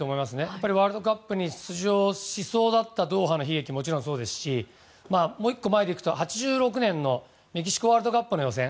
やっぱりワールドカップに出場しそうだったドーハの悲劇ももちろんそうですしもう１個前で行くと８６年のメキシコワールドカップの予選。